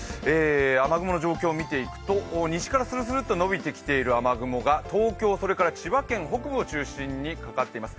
雨雲の状況を見ていくと西からスルスルッとのびてきている雨雲が東京、それから千葉県北部を中心にかかっています。